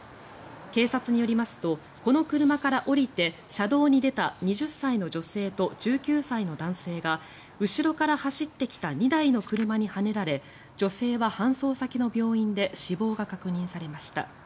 警察によりますとこの車から降りて車道に出た２０歳の女性と１９歳の男性が後ろから走ってきた２台の車にはねられ女性は搬送先の病院で死亡が確認されました。